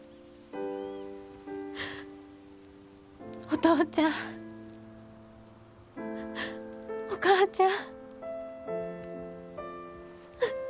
お父ちゃんお母ちゃん。